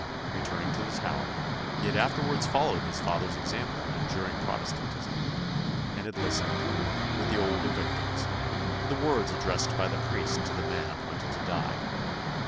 Returning to the Tower, he had afterwards followed his father's example in abjuring Protestantism, and had listened, with the older victims, to the words addressed by the priest to the men appointed to die.